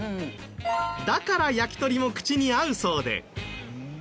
だから焼き鳥も口に合うそうで。